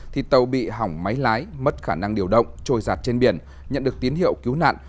thì tàu bị hỏng máy lái mất khả năng điều động trôi giặt trên biển nhận được tín hiệu cứu nạn